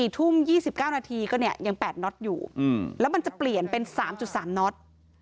๔ทุ่ม๒๙นาทีก็เนี่ยยัง๘น็อตอยู่แล้วมันจะเปลี่ยนเป็น๓๓น็อต